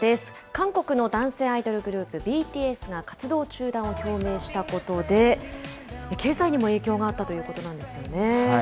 韓国の男性アイドルグループ、ＢＴＳが活動中断を表明したことで、経済にも影響があったということなんですよね。